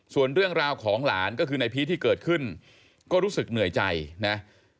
ส่วนเรื่องราวของหลานก็คือในพีชที่เกิดขึ้นก็รู้สึกเหนื่อยใจนะ